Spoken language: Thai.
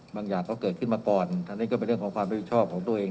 บางอย่างก็เกิดขึ้นมาก่อนอันนี้ก็เป็นเรื่องของความรับผิดชอบของตัวเอง